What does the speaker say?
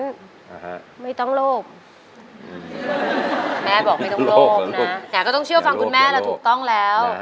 โลกคุณแม่บอกไม่ต้องโลกกะต้องเชื่อฟังคุณแม่เราถูกต้องแล้ว